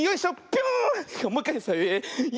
ピョーン！